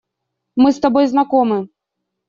Мы с тобой знакомы.